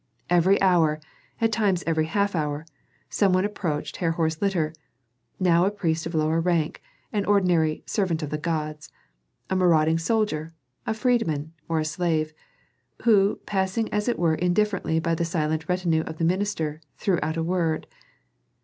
Every hour, at times every half hour, some one approached Herhor's litter, now a priest of lower rank, an ordinary "servant of the gods," a marauding soldier, a freedman, or a slave, who, passing as it were indifferently the silent retinue of the minister, threw out a word.